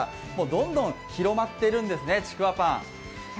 どんどん広まっているんですね、ちくわパン。